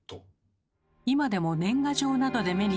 今でも年賀状などで目にする「奉賀」。